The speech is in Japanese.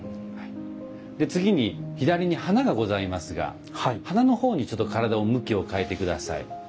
次に左に花がございますが花の方にちょっと体を向きを変えて下さい。